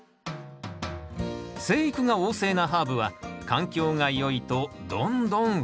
生育が旺盛なハーブは環境がよいとどんどん増えてしまいます。